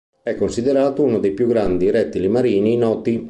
È considerato uno dei più grandi rettili marini noti.